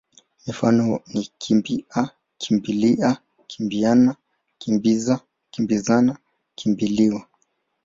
Mifano ni kimbi-a, kimbi-lia, kimbili-ana, kimbi-za, kimbi-zana, kimbi-liwa.